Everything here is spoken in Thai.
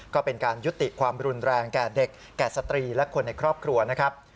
ก็เป็นการยุติความรุนแรงแก่เด็กแก่สตรีและคนในครอบครัวนะครับ